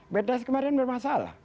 bansos kemarin bermasalah